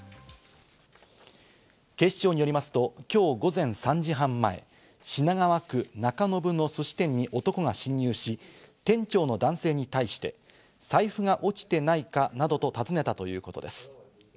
警視庁によりますと今日午前３時半前、品川区中延のすし店に男が侵入し、店長の男性に対して財布が落ちてないかなどと、尋ねたということです。